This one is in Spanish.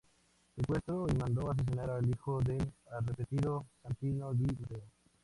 Secuestró y mandó asesinar al hijo del "arrepentido" Santino di Matteo.